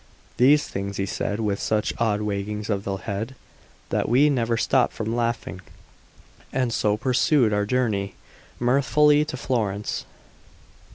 These things he said with such odd waggings of the head, that we never stopped from laughing, and so pursued our journey mirthfully to Florence.